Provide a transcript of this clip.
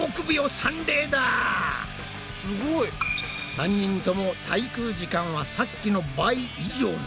３人とも滞空時間はさっきの倍以上に！